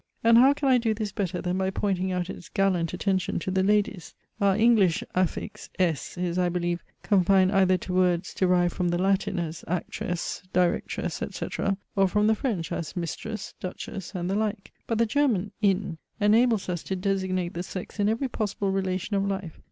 And how can I do this better than by pointing out its gallant attention to the ladies? Our English affix, ess, is, I believe, confined either to words derived from the Latin, as actress, directress, etc., or from the French, as mistress, duchess, and the like. But the German, inn, enables us to designate the sex in every possible relation of life.